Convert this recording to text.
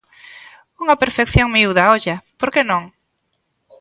Unha perfección miúda, olla, porque non.